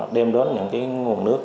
đem đến những nguồn nước